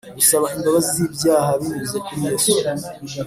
Gusaba imbabazi z’ibyaha binyuze kuri Yesu